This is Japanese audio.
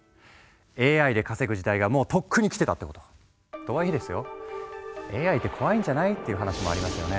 ＡＩで稼ぐ時代がもうとっくに来てたってこと！とはいえですよＡＩって怖いんじゃない？っていう話もありますよね。